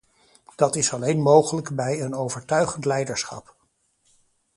Dat is alleen mogelijk bij een overtuigend leiderschap.